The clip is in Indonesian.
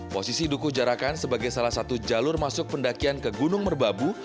posisi duku jarakan sebagai salah satu jalur masuk pendakian ke gunung merbabu